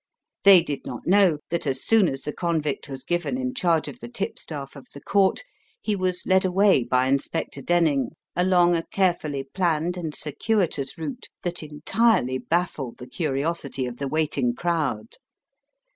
They did not know that as soon as the convict was given in charge of the tipstaff of the court he was led away by Inspector Denning, along a carefully planned and circuitous route that entirely baffled the curiosity of the waiting crowd.